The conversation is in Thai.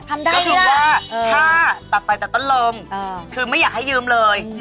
ได้ก็คือว่าถ้าตัดไปแต่ต้นลมคือไม่อยากให้ยืมเลย